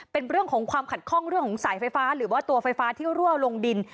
เป็นเรื่องของความขัดข้องเรื่องของสายไฟฟ้าหรือว่าตัวไฟฟ้าที่รั่วลงดิน